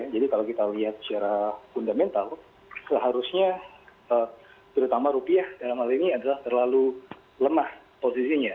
jadi kalau kita lihat secara fundamental seharusnya terutama rupiah dalam hal ini adalah terlalu lemah posisinya